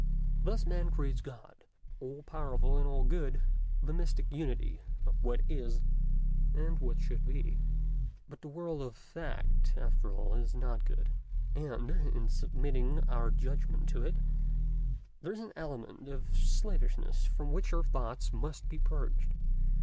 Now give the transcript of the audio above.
Thus Man creates God, all powerful and all good, the mystic unity of what is and what should be. But the world of fact, after all, is not good; and, in submitting our judgment to it, there is an element of slavishness from which our thoughts must be purged.